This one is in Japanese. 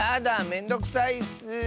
めんどくさいッス。